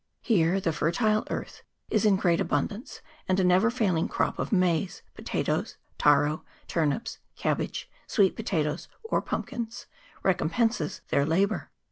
Here the fertile earth is in greater abundance, and a never failing crop of maize, potatoes, taro, turnips, cabbage, sweet potatoes, or pumpkins, recompenses their labour.